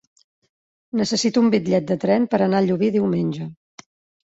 Necessito un bitllet de tren per anar a Llubí diumenge.